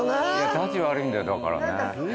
たち悪いんだよだからね。